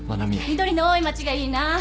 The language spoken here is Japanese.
緑の多い町がいいな。